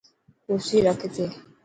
ڪرسي رک اٿي.